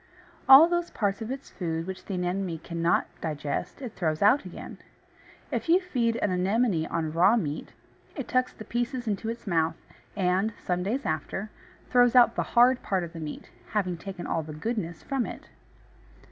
All those parts of its food which the Anemone cannot digest, it throws out again. If you feed an Anemone on raw meat, it tucks the pieces into its mouth, and, some days after, throws out the hard part of the meat, having taken all the "goodness" from it.